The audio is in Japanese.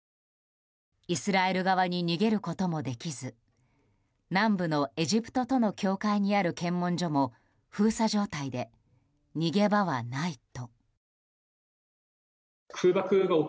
イスラエル側に逃げることもできず南部のエジプトとの境界にある検問所も封鎖状態で逃げ場はないと。